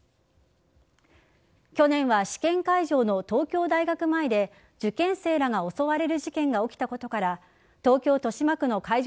去年は試験会場の東京大学前で受験生らが襲われる事件が起きたことから東京・豊島区の会場